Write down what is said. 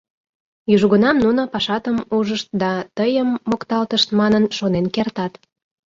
Южгунам нуно пашатым ужышт да тыйым мокталтышт манын шонен кертат.